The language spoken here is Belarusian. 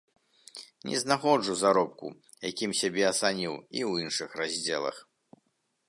Не знаходжу заробку, якім сябе ацаніў, і ў іншых раздзелах.